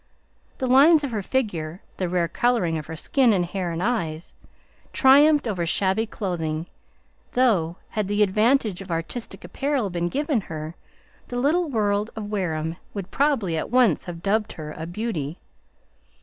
The lines of her figure, the rare coloring of skin and hair and eyes, triumphed over shabby clothing, though, had the advantage of artistic apparel been given her, the little world of Wareham would probably at once have dubbed her a beauty.